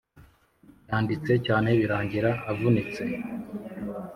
yanditse cyane birangira avunitse